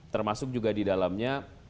termasuk juga di dalamnya